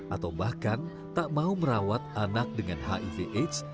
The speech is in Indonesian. atau bahkan tak mau merawat anak dengan hiv aids